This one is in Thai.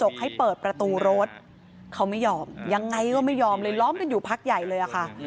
ใครก็ไม่ยอมเลยล้อมได้อยู่พักใหญ่เลยค่ะ